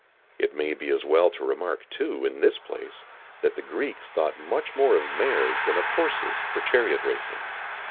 It may be as well to remark, too, in this place, that the Greeks thought much more of mares than of horses for chariot racing.